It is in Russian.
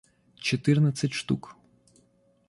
четырнадцать штук